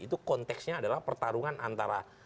itu konteksnya adalah pertarungan antara